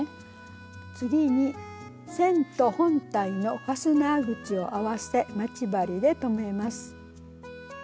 次に線と本体のファスナー口を合わせ待ち針で留めます。